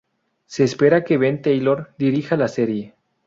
Se espera que Ben Taylor dirija la serie.